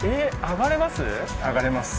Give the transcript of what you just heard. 上がれます。